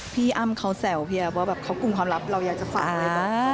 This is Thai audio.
พี่อ้ำเขาแสวว่าเขากลุ่มความลับเราอยากจะฟังไว้กับเขา